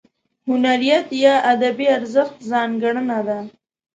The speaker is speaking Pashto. هنریت یا ادبي ارزښت ځانګړنه ده.